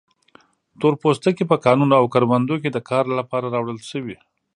تور پوستکي په کانونو او کروندو کې د کار لپاره راوړل شوي.